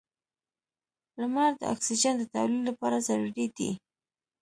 • لمر د اکسیجن د تولید لپاره ضروري دی.